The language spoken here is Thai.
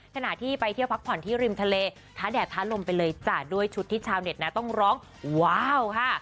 ขณะที่ไปเที่ยวพักผ่อนที่ริมทะเลท้าแดดท้าลมไปเลยจ้ะด้วยชุดที่ชาวเน็ตนะต้องร้องว้าวค่ะ